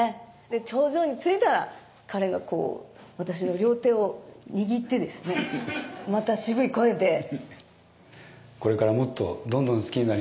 頂上に着いたら彼がこう私の両手を握ってですねまたシブい声で「これからもっとどんどん好きになります」